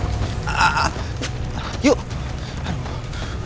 ah ah ah yuk